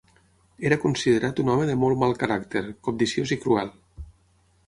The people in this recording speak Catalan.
Era considerat un home de molt mal caràcter, cobdiciós i cruel.